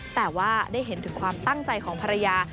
แต่ว่าได้เห็นถึงความตั้งใจของภรรยา